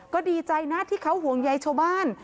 ก็ดีใจนะที่เขาห่วงใยชาวบ้าน